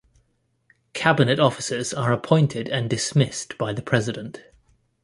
Cabinet officers are appointed and dismissed by the President.